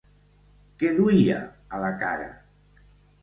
Què duia a la cara?